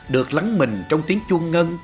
được lắng mình trong tiếng chuông ngân